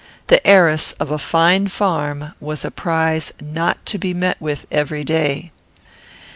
The heiress of a fine farm was a prize not to be met with every day.